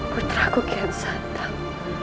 puteraku kian santang